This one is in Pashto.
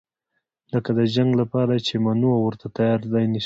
لکه د جنګ لپاره چې یې منو او ورته تیاری نیسو.